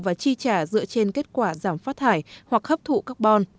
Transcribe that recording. và chi trả dựa trên kết quả giảm phát thải hoặc hấp thụ carbon